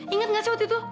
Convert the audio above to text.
ingat gak sih waktu itu